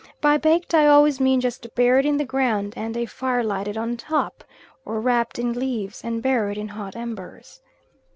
By baked I always mean just buried in the ground and a fire lighted on top, or wrapped in leaves and buried in hot embers.